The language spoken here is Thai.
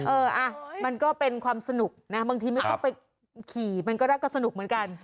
เอออ่ะมันก็เป็นความสนุกนะบางทีไม่ต้องไปขี่มันก็รักก็สนุกเหมือนกัน